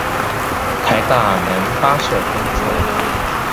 臺大男八舍東側